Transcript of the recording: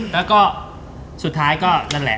แล้วก็สุดท้ายก็นั่นแหละ